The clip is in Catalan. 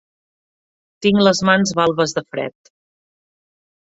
Tinc les mans balbes de fred.